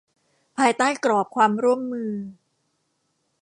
ภายใต้กรอบความร่วมมือ